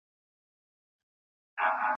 د چینایانو کار ارزښتمن نقش درلود.